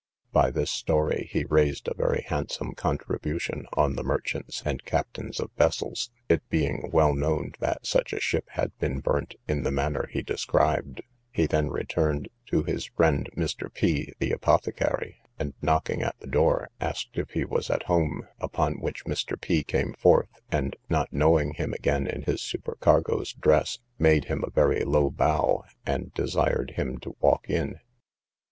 By this story he raised a very handsome contribution on the merchants and captains of vessels, it being well known that such a ship had been burnt in the manner he described. He then returned to his friend Mr. P , the apothecary, and, knocking at the door, asked if he was at home; upon which Mr. P , came forth, and, not knowing him again in his supercargo's dress, made him a very low bow, and desired him to walk in.